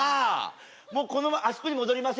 もうこのままあそこに戻りませんね。